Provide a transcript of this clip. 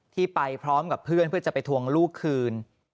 ไปพร้อมกับเพื่อนเพื่อจะไปทวงลูกคืน